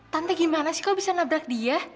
tante gimana sih kok bisa nabrak dia